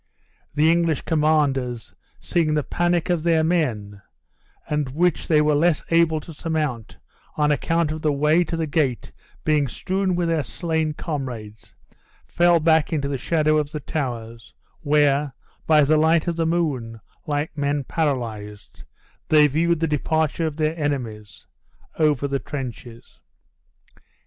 The English commanders seeing the panic of their men, and which they were less able to surmount on account of the way to the gate being strewn with their slain comrades, fell back into the shadow of the towers, where by the light of the moon, like men paralyzed, they viewed the departure of their enemies over the trenches.